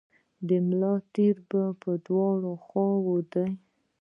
د ملا د تیر په دواړو خواوو دي.